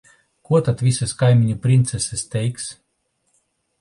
Ko tad visas kaimiņu princeses teiks?